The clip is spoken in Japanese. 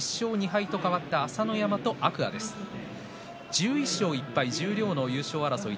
１１勝１敗十両の優勝争い